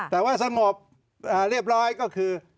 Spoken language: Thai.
แต่ว่าสงบเรียบร้อยก็คือ